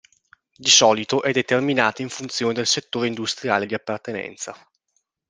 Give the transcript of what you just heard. Di solito è determinata in funzione del settore industriale di appartenenza.